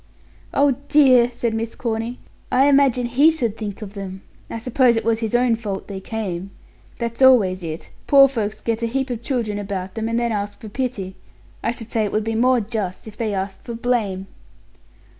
"Oh, dear!" said Miss Corny. "I imagine he should think of them. I suppose it was his own fault they came. That's always it. Poor folks get a heap of children about them, and then ask for pity. I should say it would be more just if they asked for blame."